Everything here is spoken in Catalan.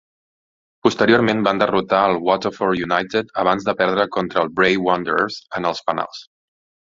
Posteriorment, van derrotar al Waterford United abans de perdre contra el Bray Wanderers en els penals.